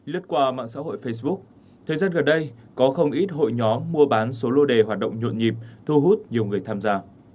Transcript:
lướt qua mạng xã hội facebook thế giới gần đây có không ít hội nhóm mua bán số lô đề hoạt động nhuộm nhịp thu hút nhiều người tham gia